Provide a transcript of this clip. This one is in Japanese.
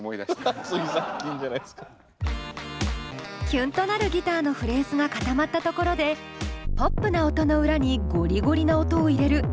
キュンとなるギターのフレーズが固まったところでポップな音の裏にゴリゴリな音を入れる☆